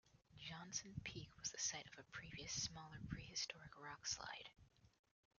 Johnson Peak was the site of a previous smaller prehistoric rock-slide.